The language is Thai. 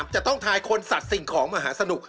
จะต้องทายคนสัตว์สิ่งของมหาสนุก